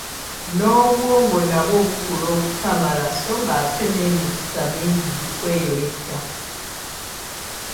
N'obwongo nabwo bukula okukamala so ng'ate n'emikisa mingi gikweyoleka.